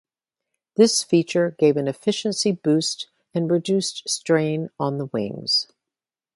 This feature gave an efficiency boost and reduced strain on the wings.